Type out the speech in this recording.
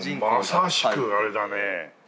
まさしくあれだね。